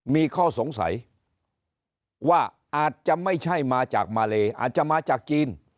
มีข้อสงสัยว่าอาจจะไม่ใช่มาจากมาเลอาจจะมาจากจีน